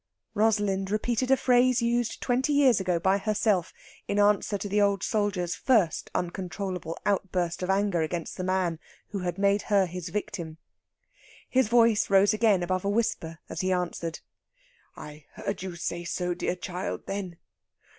Rosalind repeated a phrase used twenty years ago by herself in answer to the old soldier's first uncontrollable outburst of anger against the man who had made her his victim. His voice rose again above a whisper as he answered: "I heard you say so, dear child ... then